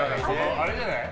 あれじゃない？